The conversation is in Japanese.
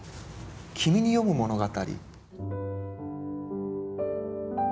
「君に読む物語」。